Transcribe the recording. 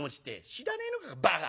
「知らねえのかバカ。